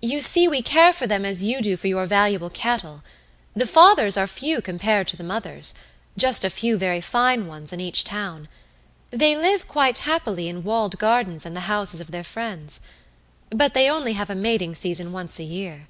You see we care for them as you do for your valuable cattle. The fathers are few compared to the mothers, just a few very fine ones in each town; they live quite happily in walled gardens and the houses of their friends. But they only have a mating season once a year."